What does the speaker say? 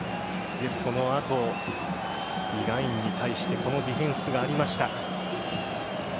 そのあとイ・ガンインに対してこのディフェンスがありました。